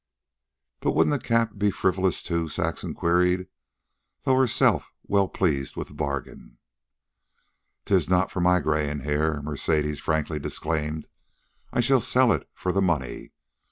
"But wouldn't the cap be frivolous, too?" Saxon queried, though herself well pleased with the bargain. "'Tis not for my graying hair," Mercedes frankly disclaimed. "I shall sell it for the money.